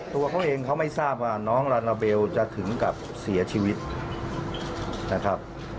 ตัวเขาเองเขาไม่ทราบว่าน้องลาลาเบลจะถึงกับเสียชีวิตนะครับ